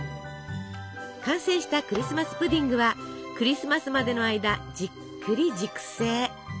完成したクリスマス・プディングはクリスマスまでの間じっくり熟成。